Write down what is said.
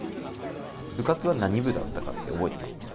部活は何部だったかって、覚えていますか？